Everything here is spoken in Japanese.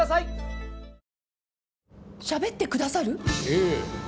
ええ。